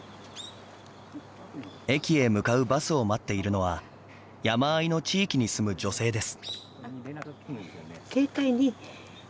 駅へ向かうバスを待っているのは山あいの地域に住む女性です。